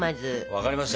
分かりました。